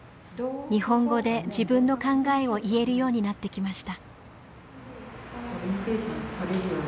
日本語で自分の考えを言えるようになってきました。